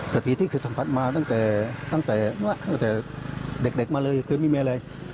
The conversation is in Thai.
ปกติที่คือสัมพันธ์มาตั้งแต่เด็กมาเลยคือไม่มีอะไร